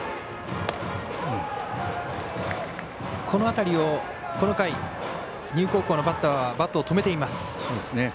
この辺りを、この回丹生高校のバッターはバットを止めています。